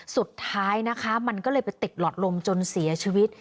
สุดท้ายนะคะมันก็เลยไปติดหลอดลมจนเสียชีวิต